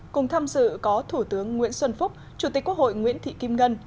cùng tham dự có thủ tướng nguyễn xuân phúc chủ tịch quốc hội nguyễn thị kim ngân